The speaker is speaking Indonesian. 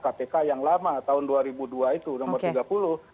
kpk yang lama tahun dua ribu dua itu nomor tiga puluh